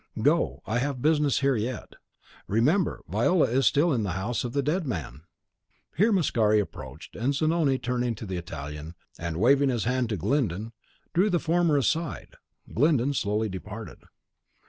Go; I have business here yet. Remember, Viola is still in the house of the dead man!" Here Mascari approached, and Zanoni, turning to the Italian, and waving his hand to Glyndon, drew the former aside. Glyndon slowly departed.